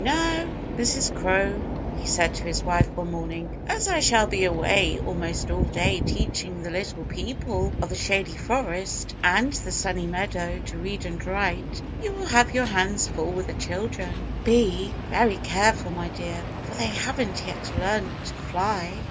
"Now, Mrs. Crow," he said to his wife one morning, "as I shall be away almost all day teaching the Little People of the Shady Forest and the Sunny Meadow to read and write, you will have your hands full with the children. Be very careful, my dear, for they haven't yet learned to fly!"